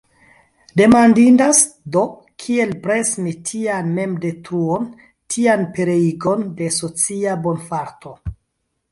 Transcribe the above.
Demandindas, do, kiel bremsi tian memdetruon, tian pereigon de socia bonfarto.